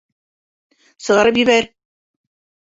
Сығарып ебәр!